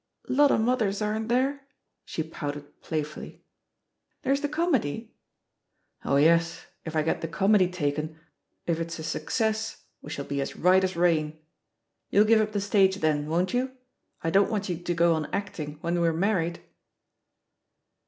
"Lot o' mothers, aren't there?" she pouted playfully. "There's the comedy 1" STHE POSITION OF PEGGY HARPER 89 *0h yes, if I get the comedy taken, if it's a success, we shall be as right as rain I ••• You'll give up the stage then, won't you? I don't wanii you to go on acting when we're married."